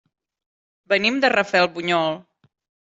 Venim de Rafelbunyol.